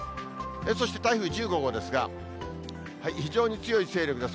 そして台風１５号ですが、非常に強い勢力です。